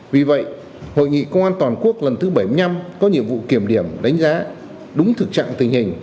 vì vậy hội nghị công an toàn quốc lần thứ bảy mươi năm có nhiệm vụ kiểm điểm đánh giá đúng thực trạng tình hình